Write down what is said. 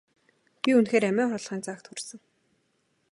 Би үнэхээр амиа хорлохын заагт хүрсэн.